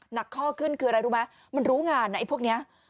หนักข้อขึ้นคืออะไรรู้ไหมมันรู้งานนะไอ้พวกนี้